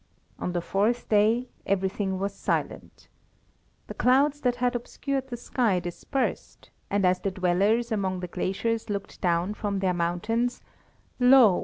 On the fourth day everything was silent. The clouds that had obscured the sky dispersed, and as the dwellers among the glaciers looked down from their mountains, lo!